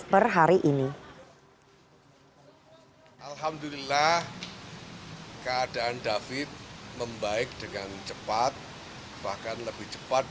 per hari ini